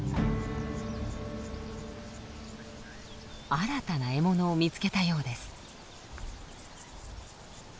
新たな獲物を見つけたようです。